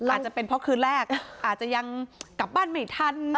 อาจจะเป็นเพราะคืนแรกอาจจะยังกลับบ้านไม่ทัน